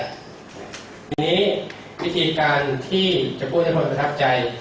ทีนี้วิธีการที่จะพูดให้คนประทับใจ